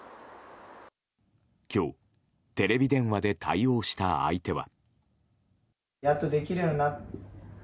今日、テレビ電話で対応した相手は。